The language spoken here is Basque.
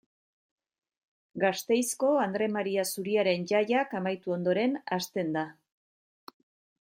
Gasteizko Andre Maria Zuriaren jaiak amaitu ondoren hasten da.